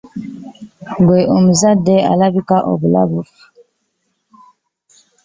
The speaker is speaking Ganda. Ggwe omuzadde olabika obulabufu.